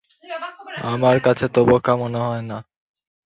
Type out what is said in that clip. আমার কাছে তো বোকা মনে হয় না।